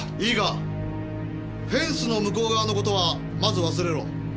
フェンスの向こう側の事はまず忘れろ。